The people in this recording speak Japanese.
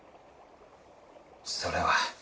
それは。